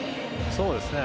そうですね。